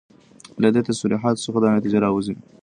له دي تصريحاتو څخه دا نتيجه راوځي